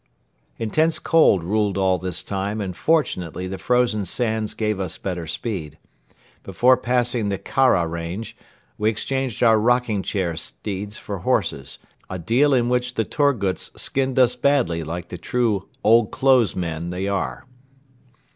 Intense cold ruled all this time and fortunately the frozen sands gave us better speed. Before passing the Khara range, we exchanged our rocking chair steeds for horses, a deal in which the Torguts skinned us badly like the true "old clothes men" they are.